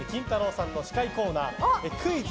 さんの司会コーナークイズ！